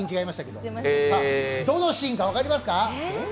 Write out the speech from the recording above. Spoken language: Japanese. どのシーンか分かりますか？